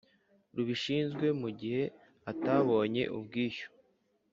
rubishinzwe Mu gihe atabonye ubwishyu